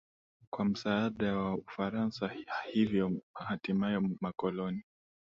kwa msaada wa Ufaransa Hivyo hatimaye makoloni